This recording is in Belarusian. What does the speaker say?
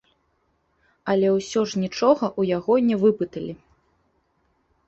Але ўсё ж нічога ў яго не выпыталі.